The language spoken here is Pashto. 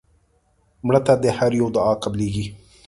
مړه ته د هر یو دعا قبلیږي